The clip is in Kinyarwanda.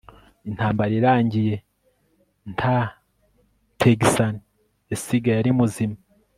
Intambara irangiye nta Texan yasigaye ari muzima